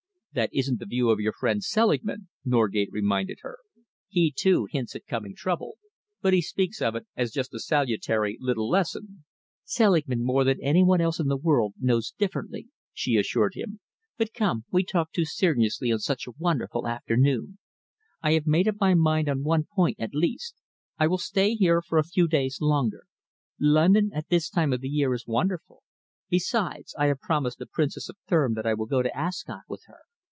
"That isn't the view of your friend Selingman," Norgate reminded her. "He, too, hints at coming trouble, but he speaks of it as just a salutary little lesson." "Selingman, more than any one else in the world, knows differently," she assured him. "But come, we talk too seriously on such a wonderful afternoon. I have made up my mind on one point, at least. I will stay here for a few days longer. London at this time of the year is wonderful. Besides, I have promised the Princess of Thurm that I will go to Ascot with her.